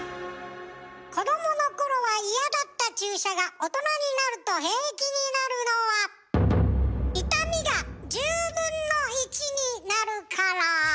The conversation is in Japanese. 子どものころは嫌だった注射が大人になると平気になるのは痛みが１０分の１になるから。